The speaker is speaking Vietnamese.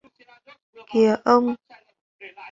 Kìa ông